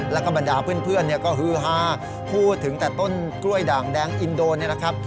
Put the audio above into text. แล้วก็บรรดาเพื่อนก็ฮือฮาพูดถึงแต่ต้นกล้วยด่างแดงอินโดนี่แหละครับ